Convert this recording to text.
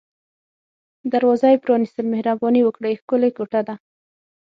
دروازه یې پرانیستل، مهرباني وکړئ، ښکلې کوټه ده.